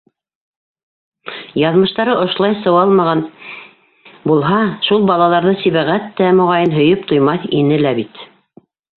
Яҙмыштары ошолай сыуалмаған булһа, шул балаларҙы Сибәғәт тә, моғайын, һөйөп туймаҫ ине лә бит.